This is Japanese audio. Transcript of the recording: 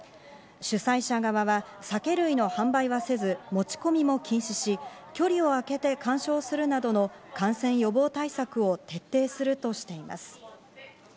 主催者側は、酒類の販売はせず持ち込みも禁止し、距離をあけて鑑賞するなどの感染予防対策を徹底するとしています。